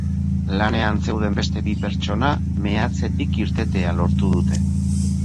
Lanean zeuden beste bi pertsona meatzetik irtetea lortu dute.